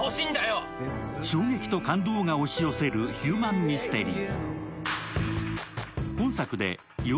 衝撃と感動が押し寄せるヒューマンミステリー。